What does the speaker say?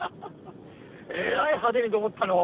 えらい派手にどもったのう。